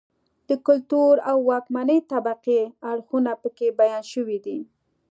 د کلتور او واکمنې طبقې اړخونه په کې بیان شوي دي.